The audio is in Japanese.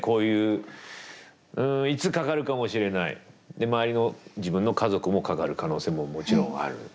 で周りの自分の家族もかかる可能性ももちろんある。